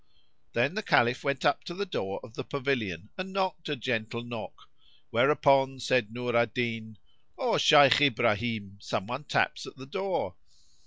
Then the Caliph went up to the door of the pavilion and knocked a gentle knock, whereupon said Nur al Din," O Shaykh Ibrahim, some one taps at the door."